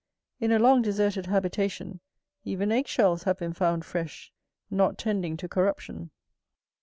In a long deserted habitation even egg shells have been found fresh, not tending to corruption.